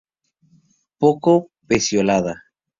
Poco peciolada.